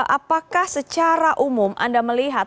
apakah secara umum anda melihat